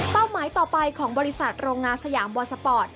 หมายต่อไปของบริษัทโรงงานสยามบอร์สปอร์ต